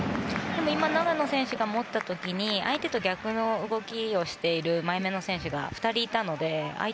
今、長野選手が持った時に相手と逆の動きをしている前めの選手が２人いたのであ